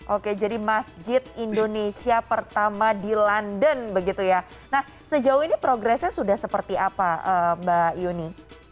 oke jadi masjid indonesia pertama di london begitu ya nah sejauh ini progresnya sudah seperti apa mbak yuni